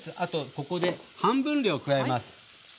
ここで半分量加えます。